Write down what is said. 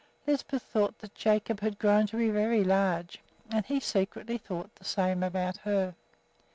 Lisbeth thought that Jacob had grown to be very large, and he secretly thought the same about her.